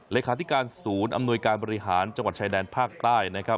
เลขาธิการศูนย์อำนวยการบริหารจังหวัดชายแดนภาคใต้นะครับ